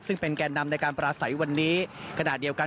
ซึ่งเป็นแก่นำในการปราศัยวันนี้ขณะเดียวกัน